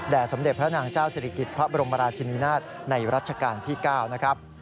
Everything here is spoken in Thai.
สมเด็จพระนางเจ้าศิริกิจพระบรมราชินินาศในรัชกาลที่๙นะครับ